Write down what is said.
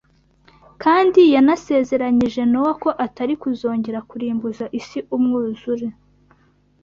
Kandi yanasezeranyije Nowa ko atari kuzongera kurimbuza isi umwuzure